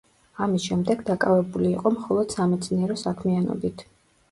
ამის შემდეგ დაკავებული იყო მხოლოდ სამეცნიერო საქმიანობით.